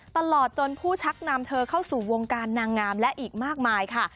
ตลอดจนผู้ชักนำเธอเข้าสู่วงการนางงามและอีกมากมายค่ะ